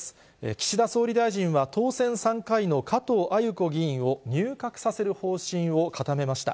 岸田総理大臣は当選３回の加藤鮎子議員を入閣させる方針を固めました。